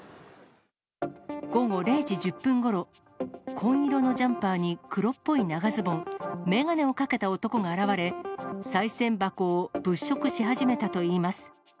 午後０時１０分ごろ、紺色のジャンパーに黒っぽい長ズボン、眼鏡をかけた男が現れ、さい銭箱を物色し始めたといいます。